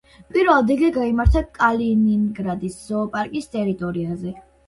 პირველად იგი გაიმართა კალინინგრადის ზოოპარკის ტერიტორიაზე.